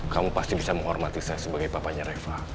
kamu pasti bisa menghormati saya sebagai papanya reva